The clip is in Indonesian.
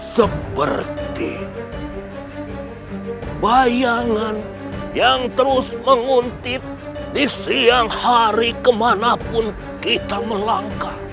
seperti bayangan yang terus menguntit di siang hari kemanapun kita melangkah